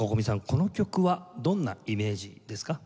この曲はどんなイメージですか？